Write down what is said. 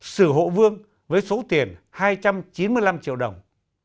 sử hộ vương với số tiền hai trăm chín mươi năm triệu đồng